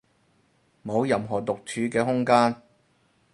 冇任何獨處嘅空間